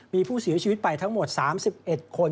มีผู้เสียชีวิตไปทั้งหมด๓๑คน